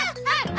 はい。